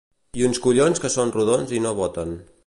I uns collons que són rodons i no boten